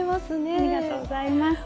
ありがとうございます。